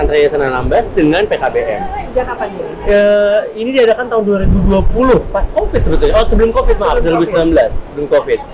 dengan pkbm ini diadakan tahun dua ribu dua puluh pas covid sebelum covid maaf dua ribu sembilan belas